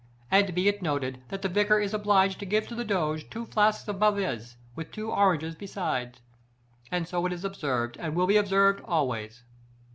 And be it noted, that the vicar is obliged to give to the Doge two flasks of malvoisie, with two oranges besides. And so it is observed, and will be observed always."